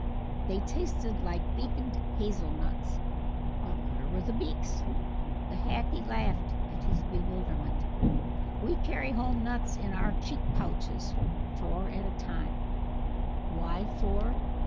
They tasted like beaked hazel nuts, but where were the beaks? The Hackee laughed at his bewilderment. "We carry home nuts in our cheek pouches, four at a time (Why four?